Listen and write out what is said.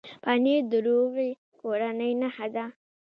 پنېر د روغې کورنۍ نښه ده.